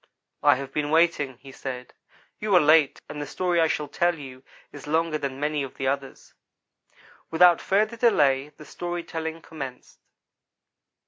"I have been waiting," he said. "You are late and the story I shall tell you is longer than many of the others." Without further delay the story telling commenced.